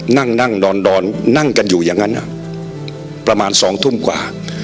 นั่งนั่งนอนนั่งกันอยู่อย่างนั้นประมาณ๒ทุ่มกว่า